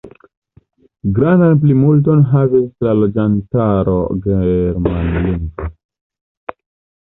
Grandan plimulton havis la loĝantaro germanlingva.